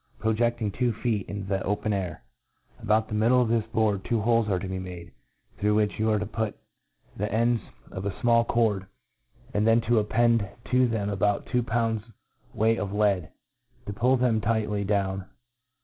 projeQing two feet in the open air. About the middle 'o£ this board two holes are to be made, throi^ which you are to put the ends of a fmall cord, and then to append to them about two pounds weight of lead, to pull ftiem tightly down.